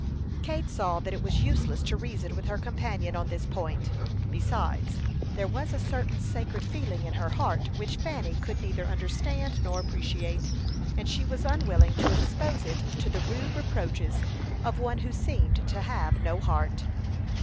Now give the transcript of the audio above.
Kate saw that it was useless to reason with her companion on this point; besides, there was a certain sacred feeling in her heart which Fanny could neither understand nor appreciate, and she was unwilling to expose it to the rude reproaches of one who seemed to have no heart.